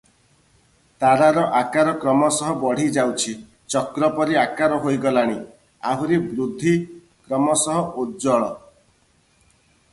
ତାରାର ଆକାର କ୍ରମଶଃ ବଢ଼ି ଯାଉଛି, ଚକ୍ର ପରି ଆକାର ହୋଇଗଲାଣି, ଆହୁରି ବୃଦ୍ଧି, କ୍ରମଶଃ ଉଜ୍ଜ୍ୱଳ ।